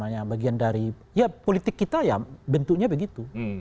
ya politik kita ya bentuknya begitu